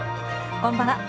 こんばんは。